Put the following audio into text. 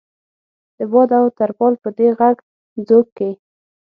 د باد او ترپال په دې غږ ځوږ کې.